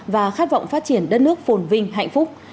và khát vọng phát triển đất nước phồn vinh hạnh phúc